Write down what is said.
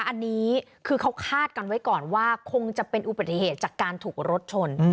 อันนี้คือเขาคาดกันไว้ก่อนว่าคงจะเป็นอุบัติเหตุจากการถูกรถชน